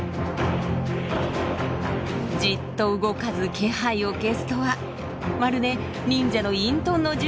じっと動かず気配を消すとはまるで忍者の隠の術。